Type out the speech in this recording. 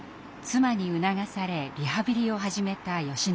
妻に促されリハビリを始めたよしのり先生。